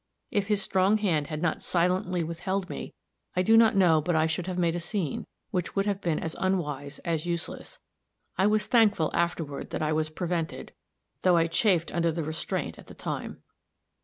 If his strong hand had not silently withheld me, I do not know but I should have made a scene, which would have been as unwise as useless. I was thankful, afterward, that I was prevented, though I chafed under the restraint at the time.